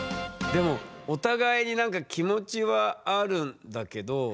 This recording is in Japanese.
でもお互いになんか気持ちはあるんだけどなんかね。